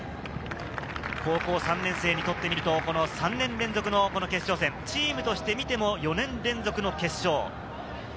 高校３年生にとってみると３年連続の決勝戦、チームとして見ても４年連続の決勝。